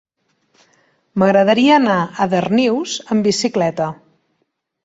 M'agradaria anar a Darnius amb bicicleta.